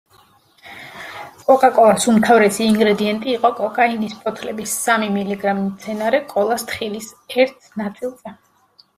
კოკა-კოლას უმთავრესი ინგრედიენტი იყო კოკაინის ფოთლების სამი მილიგრამი მცენარე კოლას თხილის ერთ ნაწილზე.